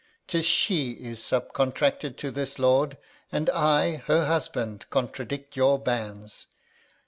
'Tis she is subcontracted to this lord, And I, her husband, contradict your banes.